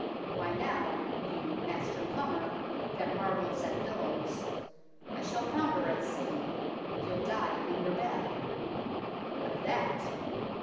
"' Why now, you, master Plumber, that marvels at billows, I shall founder at sea, and you'll die in your bed ; What of that